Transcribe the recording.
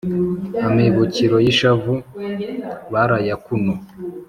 amibukiro y’ishavu barayakuno